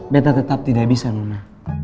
beta tetap tidak bisa nuna